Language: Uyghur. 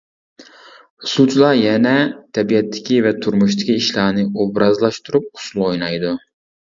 ئۇسسۇلچىلار يەنە تەبىئەتتىكى ۋە تۇرمۇشتىكى ئىشلارنى ئوبرازلاشتۇرۇپ ئۇسسۇل ئوينايدۇ.